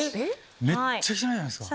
めっちゃ汚いじゃないですか。